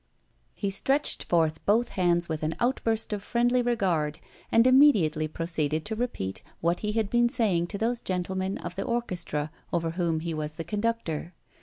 He stretched forth both hands with an outburst of friendly regard, and immediately proceeded to repeat what he had been saying to those gentlemen of the orchestra over whom he was the conductor.